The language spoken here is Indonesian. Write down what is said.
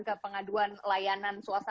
ke pengaduan layanan swasta